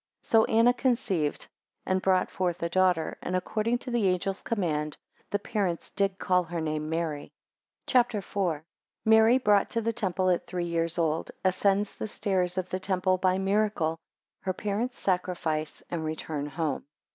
11 So Anna conceived, and brought forth a daughter, and, according to the angel's command, the parents did call her name Mary. CHAPTER IV. 1 Mary brought to the temple at three years old. 6 Ascends the stairs of the temple by miracle. 8 Her parents sacrifice and return home.